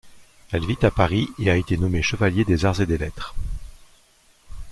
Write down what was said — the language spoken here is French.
Elle vit à Paris, et a été nommée chevalier des Arts et des Lettres.